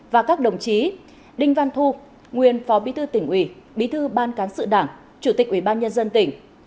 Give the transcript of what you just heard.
và các đồng chí đinh văn thu nguyên phó bí thư tỉnh ủy bí thư ban cán sự đảng chủ tịch ủy ban nhân dân tỉnh